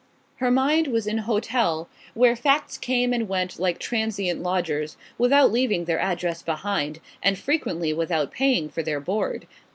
'Her mind was an hotel where facts came and went like transient lodgers, without leaving their address behind, and frequently without paying for their board.